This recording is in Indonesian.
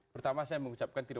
pertama saya mengucapkan tidak